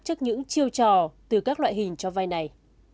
trước những chiêu trò từ các loại hình cho vay này